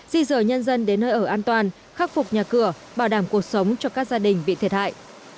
di rời nhân dân đến nơi ở an toàn khắc phục nhà cửa bảo đảm cuộc sống cho các gia đình bị thiệt hại